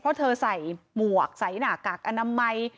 เพราะเธอใส่หมวกใส่หน้ากากอนามัย